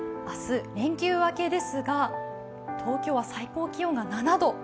明日、連休明けですが東京は最高気温が７度。